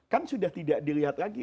kan sudah tidak dilihat lagi